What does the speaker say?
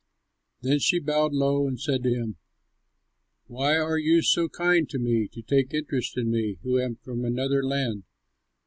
Then she bowed low and said to him, "Why are you so kind to me, to take interest in me who am from another land?"